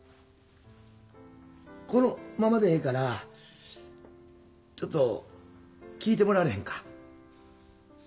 このままでええからちょっと聞いてもらわれへんか。